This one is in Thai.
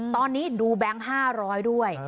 ตอนนี้ดูแบงค์๕๐๐ด้วย